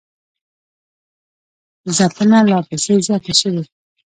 ځپنه لاپسې زیاته شوې